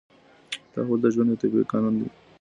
تحول د ژوند یو طبیعي قانون دی.